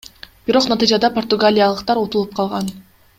Бирок натыйжада португалиялыктар утулуп калган.